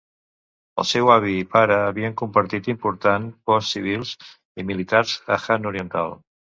El seu avi i pare havien compartit importants posts civils i militars a Han Oriental.